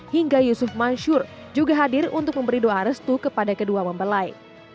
hingga yusuf mansyur juga hadir untuk memberi doa restu kepada kedua membelai